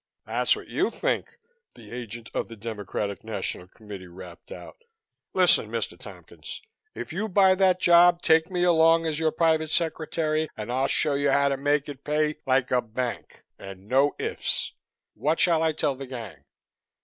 "That's what you think," the agent of the Democratic National Committee rapped out. "Listen, Mr. Tompkins, if you buy that job take me along as your private secretary and I'll show you how to make it pay like a bank and no ifs. What shall I tell the gang?"